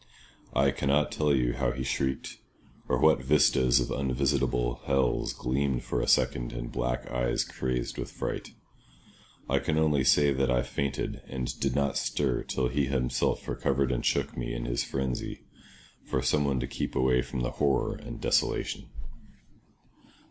I cannot tell you how he shrieked, or what vistas of unvisitable hells gleamed for a second in black eyes crazed with fright. I can only say that I fainted, and did not stir till he himself recovered and shook me in his phrensy for someone to keep away the horror and desolation.